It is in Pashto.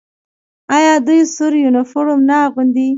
آیا دوی سور یونیفورم نه اغوندي؟